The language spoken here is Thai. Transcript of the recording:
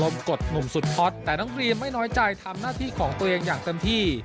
หนุ่มสุดฮอตแต่น้องดรีมไม่น้อยใจทำหน้าที่ของตัวเองอย่างเต็มที่